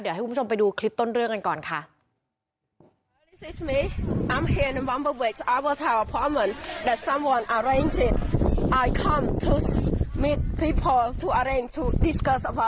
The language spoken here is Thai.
เดี๋ยวให้คุณผู้ชมไปดูคลิปต้นเรื่องกันก่อนค่ะ